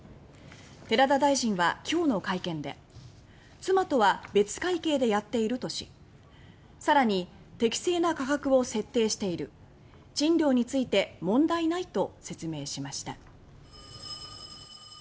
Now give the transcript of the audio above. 寺田大臣は、今日の会見で妻とは別会計でやっているとし更に「適正な価格を設定している賃料について問題ない」と説明しました。